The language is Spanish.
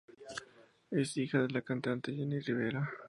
Es hija de la cantante Jenni Rivera.